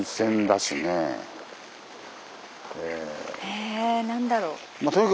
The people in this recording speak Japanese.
え何だろう。